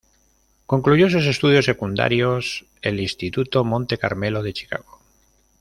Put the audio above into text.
Concluyó sus estudios secundarios el Instituto Monte Carmelo de Chicago.